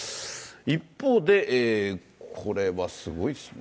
一方で、これはすごいですね。